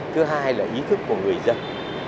thứ hai là ý thức của người dân